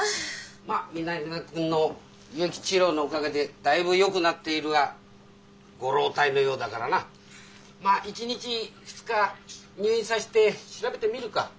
まあ南田君の輸液治療のおかげでだいぶよくなっているがご老体のようだからなまあ１日２日入院さして調べてみるか？